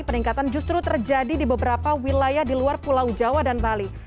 peningkatan justru terjadi di beberapa wilayah di luar pulau jawa dan bali